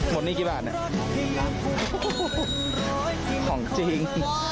หนี้กี่บาทเนี่ยของจริง